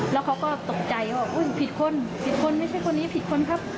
แล้วเขาก็ตกใจว่าอุ้ยผิดคนผิดคนไม่ใช่คนนี้ผิดคนครับ